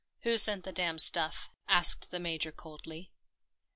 " Who sent the damn stuff ?" asked the Major coldly.